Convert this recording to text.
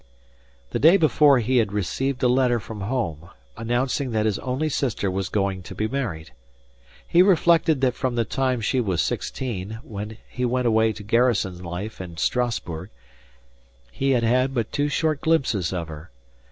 The day before he had received a letter from home, announcing that his only sister was going to be married. He reflected that from the time she was sixteen, when he went away to garrison life in Strasburg, he had had but two short glimpses of her.